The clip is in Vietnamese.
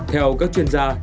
theo các chuyên gia